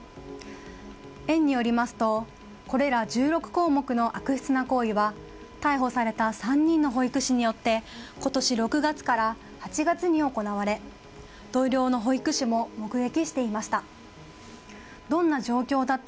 園によりますとこれら１６項目の悪質な行為は逮捕された３人の保育士によって今年６月から８月に行われ同僚の保育士も目撃していました。